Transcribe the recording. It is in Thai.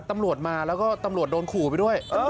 ตำรวจมาแล้วก็ตำรวจโดนขู่ไปด้วย